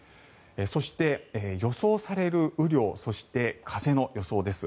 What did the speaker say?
そして、予想される雨量そして風の予想です。